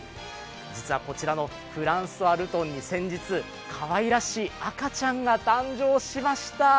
実はこちらのフランソワルトンに先日、かわいらしい赤ちゃんが誕生しました。